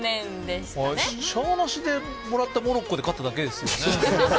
しゃーなしでもらったモロッコで勝っただけですよね。